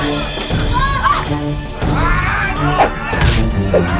ayo tau prt cepetan